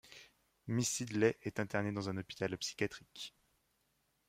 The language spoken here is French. Miss Sidley est internée dans un hôpital psychiatrique.